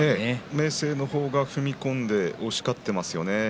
明生の方が踏み込んで押し勝ってますよね。